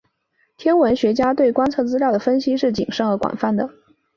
天文学家对观测资料的分析是谨慎而广泛的。